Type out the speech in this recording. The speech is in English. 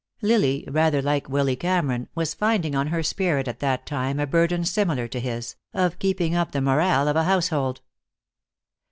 Lily, rather like Willy Cameron, was finding on her spirit at that time a burden similar to his, of keeping up the morale of the household.